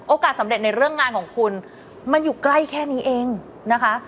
สำเร็จในเรื่องงานของคุณมันอยู่ใกล้แค่นี้เองนะคะ